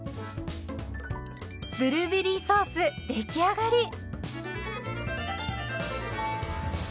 ブルーベリーソース出来上がり。